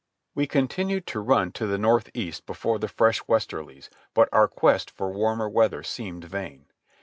We continued to run to the north east before the fresh westerlies, but our quest for warmer weather seemed vain.